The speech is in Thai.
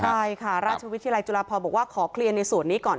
ใช่ค่ะราชวิทยาลัยจุฬาพรบอกว่าขอเคลียร์ในส่วนนี้ก่อน